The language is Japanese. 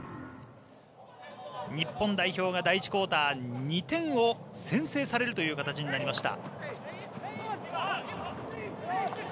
日本代表が第１クオーター２点を先制される形になりました。